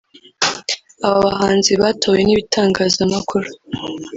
Aba bahanzi batowe n’ibitangazamakuru